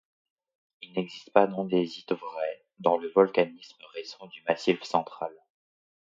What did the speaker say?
Il n'existe pas d'andésites vraies dans le volcanisme récent du Massif Central.